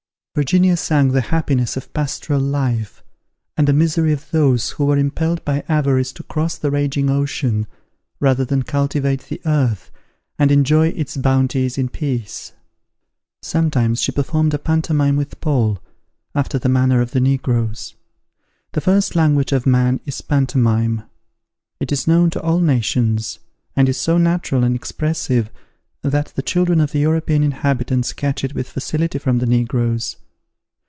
Virginia sang the happiness of pastoral life, and the misery of those who were impelled by avarice to cross the raging ocean, rather than cultivate the earth, and enjoy its bounties in peace. Sometimes she performed a pantomime with Paul, after the manner of the negroes. The first language of man is pantomime: it is known to all nations, and is so natural and expressive, that the children of the European inhabitants catch it with facility from the negroes.